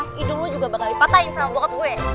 hidung lo juga bakal dipatahin sama bokap gue